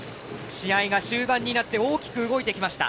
試合が終盤になって大きく動いてきました。